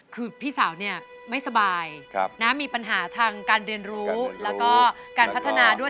คือพี่สาวเนี่ยไม่สบายมีปัญหาทางการเรียนรู้แล้วก็การพัฒนาด้วย